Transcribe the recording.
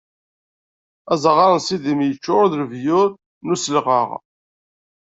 Azaɣar n Sidim iččuṛ d lebyur n uselɣaɣ.